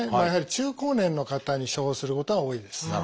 やはり中高年の方に処方することが多いです。